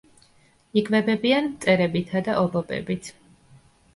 იკვებებიან მწერებითა და ობობებით.